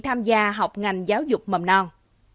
tham gia học ngành giáo dục mầm non